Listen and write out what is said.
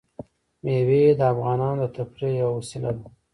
مېوې د افغانانو د تفریح یوه وسیله ده.